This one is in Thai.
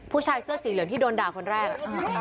ผู้ชายเสื้อสีเหลืองที่โดนด่าคนแรก